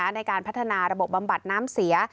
ในการพัฒนาระบบบำบัดน้ำเสีย